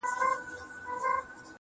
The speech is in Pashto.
ستا د تورو سترگو اوښکي به پر پاسم~